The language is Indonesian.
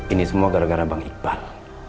ini semua gara gara bang iqbal